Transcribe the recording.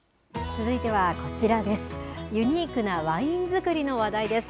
続いてはこちらです。